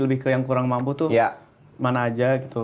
lebih ke yang kurang mampu tuh mana aja gitu